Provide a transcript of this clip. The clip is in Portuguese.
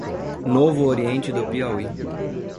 Novo Oriente do Piauí